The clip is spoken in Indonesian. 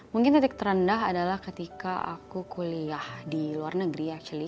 mungkin titik terendah adalah ketika aku kuliah di luar negeri ya chilly